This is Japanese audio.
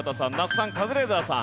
軍はカズレーザーさん